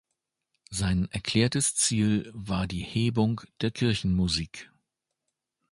Sein erklärtes Ziel war die Hebung der Kirchenmusik.